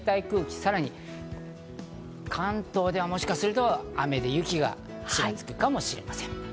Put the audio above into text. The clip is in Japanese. さらに関東ではもしかすると雨で雪がちらつくかもしれません。